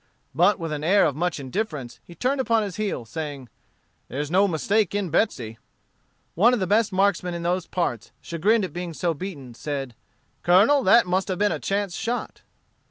But with an air of much indifference he turned upon his heel, saying, "There's no mistake in Betsey." One of the best marksmen in those parts, chagrined at being so beaten, said, "Colonel, that must have been a chance shot."